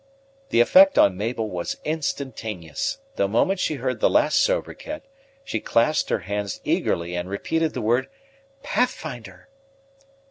The effect on Mabel was instantaneous. The moment she heard the last sobriquet she clasped her hands eagerly and repeated the word "Pathfinder!"